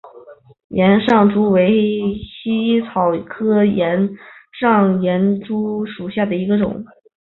岩上珠为茜草科岩上珠属下的一个种。